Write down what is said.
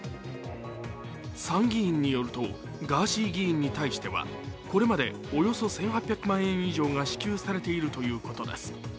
参議院によると、ガーシー議員に対してはこれまでおよそ１８００万円以上が支給されているということです。